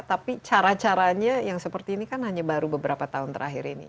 tapi cara caranya yang seperti ini kan hanya baru beberapa tahun terakhir ini